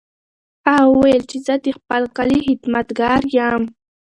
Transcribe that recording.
هغه وویل چې زه د خپل کلي خدمتګار یم.